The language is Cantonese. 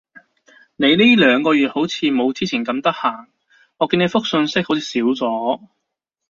你呢兩個月好似冇之前咁得閒？我見你覆訊息好似少咗